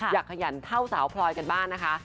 ขยันเท่าสาวพลอยกันบ้างนะคะ